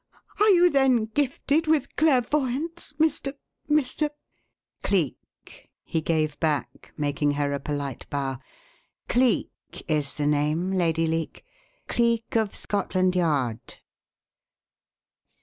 Are you then gifted with clairvoyance, Mr. Mr. " "Cleek," he gave back, making her a polite bow. "Cleek is the name, Lady Leake. Cleek of Scotland Yard."